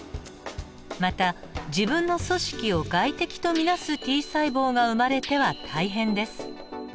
また自分の組織を外敵と見なすＴ細胞が生まれては大変です。